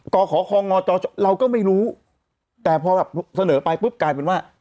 กขคงจเราก็ไม่รู้แต่พอแบบเสนอไปปุ๊บกลายเป็นว่า